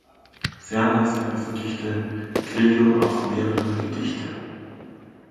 Ferner veröffentlichte Grillo auch mehrere Gedichte.